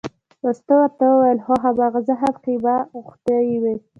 مستو ورته وویل هو هماغه زه هم ښیمه غوښتنې یې وې.